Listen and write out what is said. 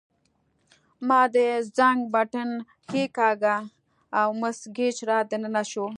ما د زنګ بټن کښېکاږه او مس ګېج را دننه شوه.